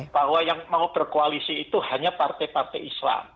bahwa yang mau berkoalisi itu hanya partai partai islam